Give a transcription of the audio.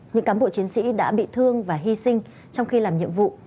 những cán bộ chiến sĩ đã bị thương và hy sinh trong khi làm nhiệm vụ